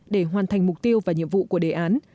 để hoàn thành mục tiêu và nhiệm vụ của đề án